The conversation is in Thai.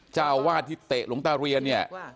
เจ้าวาดที่เตะหลงตาเรียน